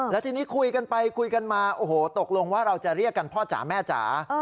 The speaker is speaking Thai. แล้วทีนี้คุยกันไปคุยกันมาโอ้โหตกลงว่าเราจะเรียกกันพ่อจ๋าแม่จ๋า